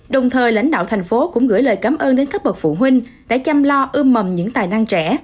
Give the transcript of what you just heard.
đồng thời lãnh đạo thành phố cũng gửi lời cảm ơn đến các bậc phụ huynh đã chăm lo ưm mầm những tài năng trẻ